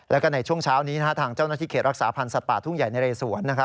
แล้วก็ในช่วงเช้านี้ทางเจ้าหน้าที่เขตรักษาพันธ์สัตว์ป่าทุ่งใหญ่นะเรสวน